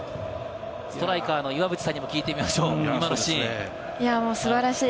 ストライカーの岩渕さんにも聞いてみましょう、今のシーン。素晴らしい。